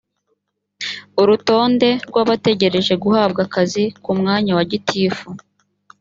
urutonde rw’abategereje guhabwa akazi ku mwanya wa gitifu